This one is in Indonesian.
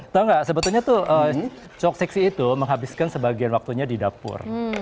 tahu nggak sebetulnya tuh cok seksi itu menghabiskan sebagian waktunya di dapur